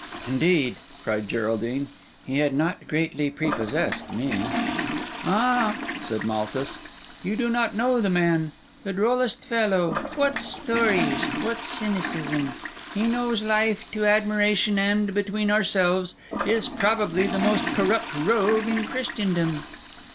"Indeed!" cried Geraldine, "he had not greatly prepossessed me." "Ah!" said Mr. Malthus, "you do not know the man: the drollest fellow! What stories! What cynicism! He knows life to admiration and, between ourselves, is probably the most corrupt rogue in Christendom."